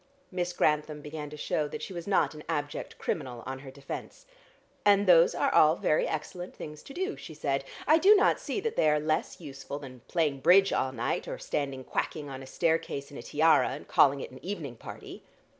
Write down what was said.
Miss Grantham began to show that she was not an abject criminal on her defence. "And those are all very excellent things to do," she said. "I do not see that they are less useful than playing bridge all night, or standing quacking on a stair case in a tiara, and calling it an evening party."